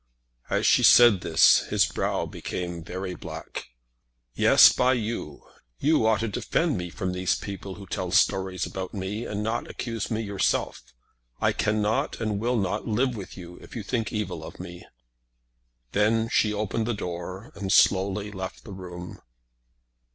As she said this his brow became very black. "Yes, by you. You ought to defend me from these people who tell stories about me, and not accuse me yourself. I cannot and will not live with you if you think evil of me." Then she opened the door, and slowly left the room.